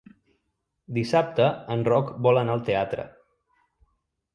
Dissabte en Roc vol anar al teatre.